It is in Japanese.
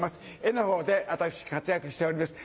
絵のほうで私活躍しております。